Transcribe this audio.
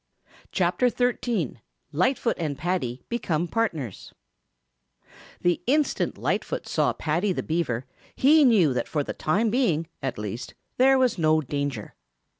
CHAPTER XIII LIGHTFOOT AND PADDY BECOME PARTNERS The instant Lightfoot saw Paddy the Beaver he knew that for the time being, at least, there was no danger.